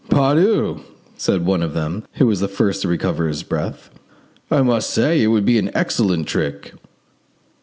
"Pardu!" said one of them, who was the first to recover his breath, "I must say it would be an excellent trick."